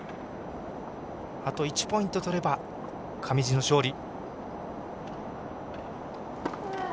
あと１ポイント取れば上地の勝利。